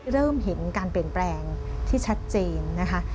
เริ่มเห็นการเปลี่ยนแปลงที่ชัดเจนนะคะ